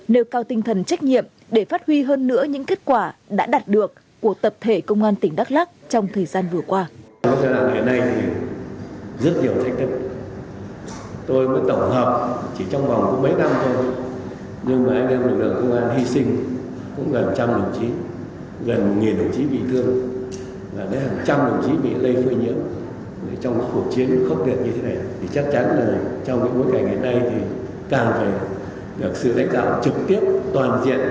nêu cao tinh thần trách nhiệm để phát huy hơn nữa những kết quả đã đạt được của tập thể công an tỉnh đắk lắc trong thời gian vừa qua